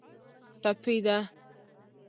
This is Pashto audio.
ټپي ده.